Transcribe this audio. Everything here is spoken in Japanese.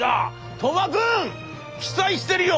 鳥羽君期待してるよ」。